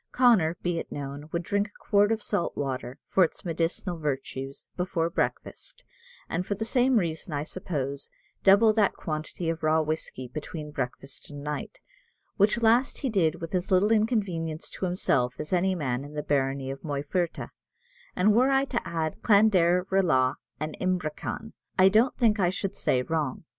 Connor, be it known, would drink a quart of salt water, for its medicinal virtues, before breakfast; and for the same reason, I suppose, double that quantity of raw whiskey between breakfast and night, which last he did with as little inconvenience to himself as any man in the barony of Moyferta; and were I to add Clanderalaw and Ibrickan, I don't think I should say wrong.